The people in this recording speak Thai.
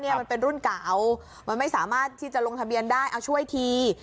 มันเป็นรุ่นเก่ามันไม่สามารถที่จะลงทะเบียนได้เอาช่วยที